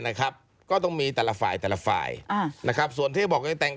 นะครับก็ต้องมีแต่ละฝ่ายแต่ละฝ่ายอ่านะครับส่วนที่บอกจะแต่ง